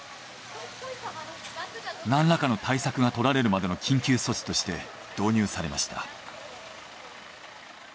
何らかの対策が取られるまでの緊急措置として導入されました。